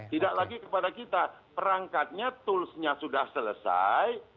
tidak lagi kepada kita perangkatnya toolsnya sudah selesai